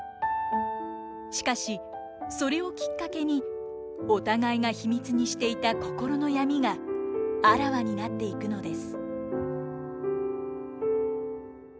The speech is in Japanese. しかしそれをきっかけにお互いが秘密にしていた心の闇があらわになっていくのです。